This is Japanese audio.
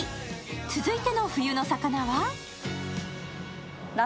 続いて冬の魚は？